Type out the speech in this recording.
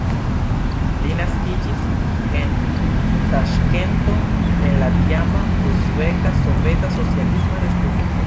Li naskiĝis en Taŝkento, en la tiama Uzbeka Soveta Socialisma Respubliko.